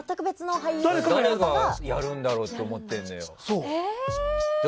誰がやるんだろうって思ってんだよ。